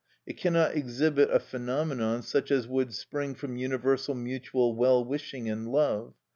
It cannot exhibit a phenomenon such as would spring from universal mutual well wishing and love.